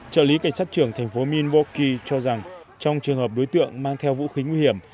trợ lý cảnh sát trưởng thành phố minoki cho rằng trong trường hợp đối tượng mang theo vũ khí nguy hiểm